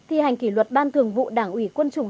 thi hành kỷ luật ban thường vụ đảng ủy quân chủng